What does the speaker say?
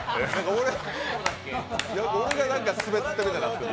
俺がスベってるみたいになってて。